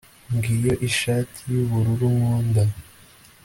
ngiyo ishati yubururu nkunda